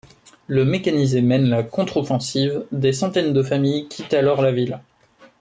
Le mécanisé mène la contre-offensive, des centaines de familles quittent alors la ville.